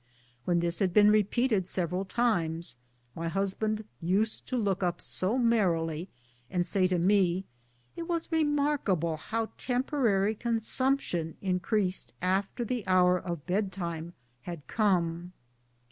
When this had been re peated several times, my husband used to look up so merrily and say to me it was remarkable how temporary consumption increased after the hour of bedtime had come.